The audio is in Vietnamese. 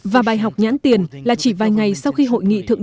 và bài học nhãn tiền là chỉ vài ngày sau khi hội nghị thượng